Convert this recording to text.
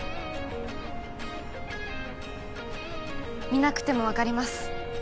見なくてもわかります。